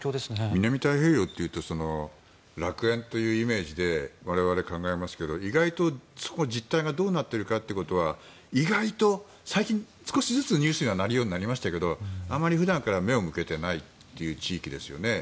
南太平洋というと楽園というイメージで我々考えますが意外とその実態がどうなってるかということは意外と最近少しずつニュースになるようになりましたがあまり普段から目を向けていないという地域ですよね。